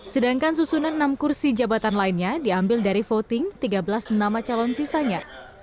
sedangkan susunan enam kursi jabatan lainnya diambil dari voting tiga belas nama calon sisanya